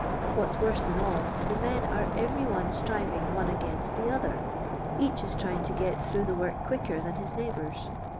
What's worse than all, th>.» men are every one striving one au'ainst the other. K.ich is trying to get t!irou;ih the wurk quieker than his neighbours.